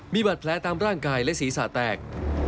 มีบาดแผลตามร่างกายและศีรษะแตก